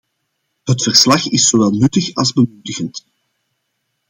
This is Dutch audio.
Het verslag is zowel nuttig als bemoedigend.